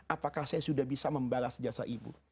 apakah saya sudah bisa membalas jasa ibu